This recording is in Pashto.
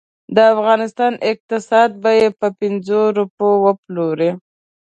د افغانستان اقتصاد به یې په پنځو روپو وپلوري.